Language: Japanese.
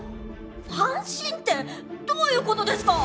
ファンシンってどういうことですか？